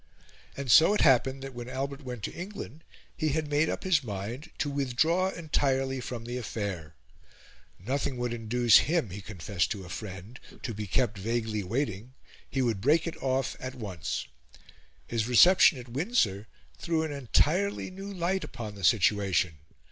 And so it happened that when Albert went to England he had made up his mind to withdraw entirely from the affair. Nothing would induce him, he confessed to a friend, to be kept vaguely waiting; he would break it all off at once. His reception at Windsor threw an entirely new light upon the situation.